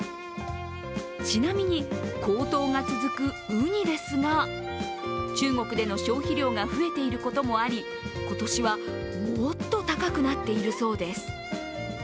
ちなみに高騰が続くウニですが、中国での消費量が増えていることもあり今年はもっと高くなっているそうです。